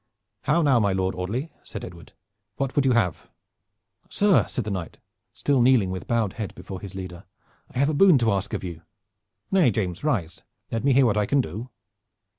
"How now, my Lord Audley," said Edward. "What would you have?" "Sir," said the knight, still kneeling with bowed head before his leader, "I have a boon to ask of you." "Nay, James, rise! Let me hear what I can do."